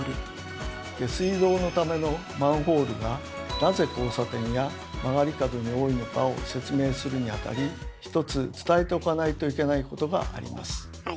下水道のためのマンホールがなぜ交差点や曲がり角に多いのかを説明するにあたりひとつ伝えておかないといけないことがあります。